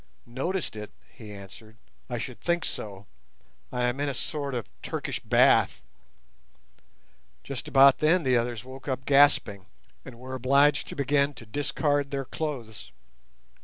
"Noticed it!" he answered; "I should think so. I am in a sort of Turkish bath." Just about then the others woke up gasping, and were obliged to begin to discard their clothes.